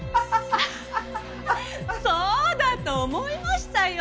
あっそうだと思いましたよ。